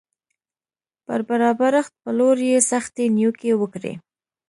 پر برابرښت پلور یې سختې نیوکې وکړې